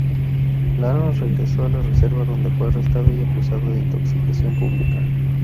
Lara regresó a la reserva, donde fue arrestado y acusado de intoxicación pública.